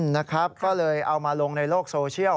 นะครับก็เลยเอามาลงในโลกโซเชียล